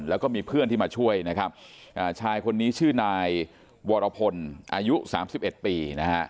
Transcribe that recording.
แล้วก็มีเพื่อนที่มาช่วยชายคนนี้ชื่อนายวรพลอายุ๓๑ปี